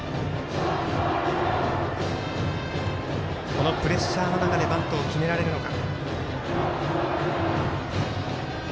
このプレッシャーの中でバントを決められるのか。